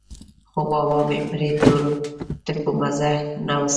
خو بابا مې پرې د تورو ټکو مزه نه وڅکلې.